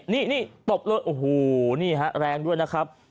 นี่ตบบ้านโอ้โหแรงด้วยนะครับ